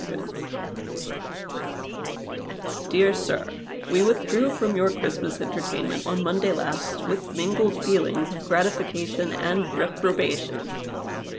Dear Sir, — We withdrew from your Ciiristmas cntertaimnent on Monday last with mingled feelings of gratification and reprobation.